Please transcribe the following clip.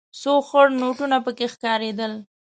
څو خړ نوټونه پکې ښکارېدل.